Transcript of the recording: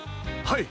はい！